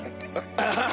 ああ！